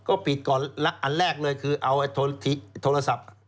ก็ปิดก่อนอันแรกเลยคือเอาโทรศัพท์